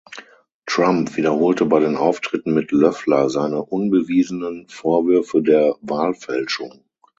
Trump wiederholte bei den Auftritten mit Loeffler seine unbewiesenen Vorwürfe der Wahlfälschung.